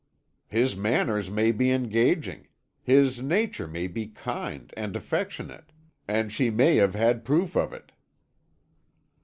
"His manners may be engaging. His nature may be kind and affectionate, and she may have had proof of it."